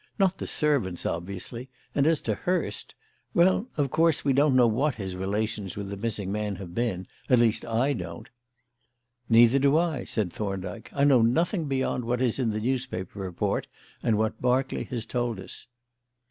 Not the servants, obviously, and as to Hurst well, of course, we don't know what his relations with the missing man have been at least, I don't." "Neither do I," said Thorndyke. "I know nothing beyond what is in the newspaper report and what Berkeley has told us."